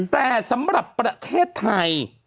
แต่สำหรับประเทศไทย